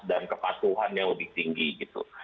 dan kepatuhan yang lebih tinggi gitu